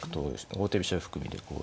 王手飛車含みでこう。